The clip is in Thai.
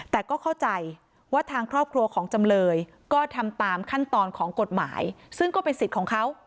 แต่ก็เข้าใจว่าทางครอบครัวของจำเลยก็ทำตามขั้นตอนของกฎหมายซึ่งก็เป็นสิทธิ์ของเขา